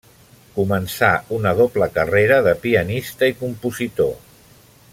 Començà una doble carrera de pianista i compositor.